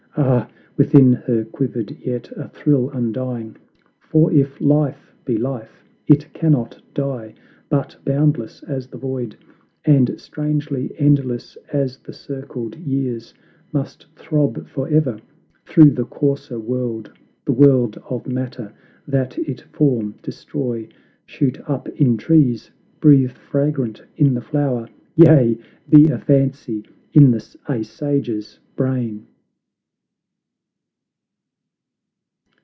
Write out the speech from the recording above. Ah, within her quivered yet A thrill undying, for if life be life, It cannot die, but boundless as the Void, And strangely endless as the circled years, Must throb forever through the coarser world, The world of matter, that it form, destroy, Shoot up in trees, breathe fragrant in the flower, Yea, be a fancy in a sage's brain!